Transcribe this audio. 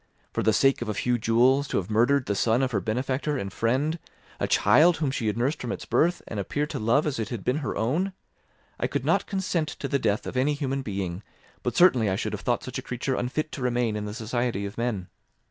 For the sake of a few jewels, to have murdered the son of her benefactor and friend, a child whom she had nursed from its birth, and appeared to love as if it had been her own! I could not consent to the death of any human being, but certainly I should have thought such a creature unfit to remain in the society of men.